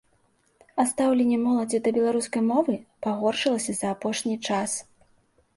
А стаўленне моладзі да беларускай мовы пагоршылася за апошні час.